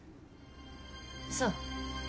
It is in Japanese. そう。